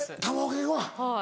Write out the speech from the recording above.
はい。